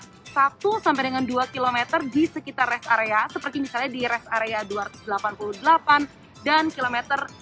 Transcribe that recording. ini bisa diperlihat satu sampai dengan dua km di sekitar rest area seperti misalnya di rest area dua ratus delapan puluh delapan dan km dua ratus empat puluh empat